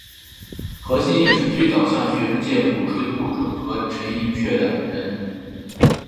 何新也是最早向学术界鼓吹顾准和陈寅恪的人。